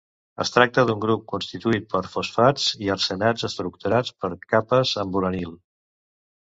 Es tracta d'un grup constituït per fosfats i arsenats estructurats per capes amb uranil.